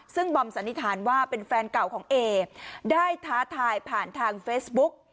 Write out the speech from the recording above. ซึ่งบอมสันนิษฐานว่าเป็นแฟนเก่าของเอได้ท้าทายผ่านทางเฟซบุ๊ก